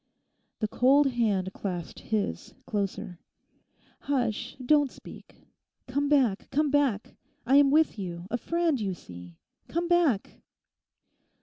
The cold hand clasped his closer. 'Hush, don't speak! Come back; come back. I am with you, a friend, you see; come back.